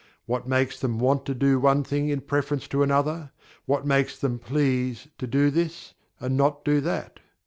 What makes them "want to" do one thing in preference to another; what makes them "please" to do this, and not do that?